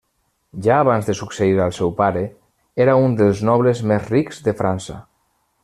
Ja abans de succeir al seu pare era un dels nobles més rics de França.